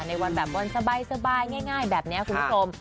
ในวันแบบวันสบายง่ายแบบนี้คุณผู้ชม